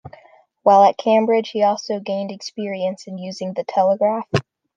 While at Cambridge he also gained experience in using the telegraph.